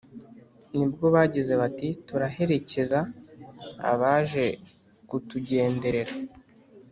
ni bwo bagize bati turaherekeza abaje kutugenderera,